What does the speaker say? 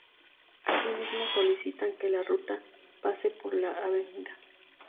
Asimismo solicitan que la ruta pase por la Av.